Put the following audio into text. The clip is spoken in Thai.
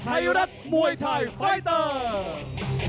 ไทยรัฐมวยไทยไฟเตอร์